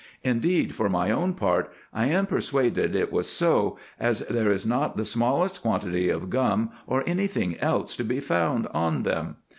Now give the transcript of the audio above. Indeed, for my own part, I am persuaded it was so ; as there is not the smallest quantity of gum or any thing else to be found on them.